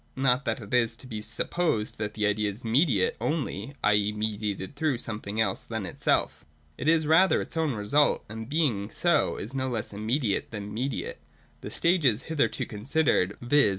Not that it is to be sup posed that the idea is mediate only, i.e. mediated through something else than itself. It is rather its own result, and 213, 2I4 ] THE IDEA. 355 being so, is no less immediate tlian mediate. The stages hitherto considered, viz.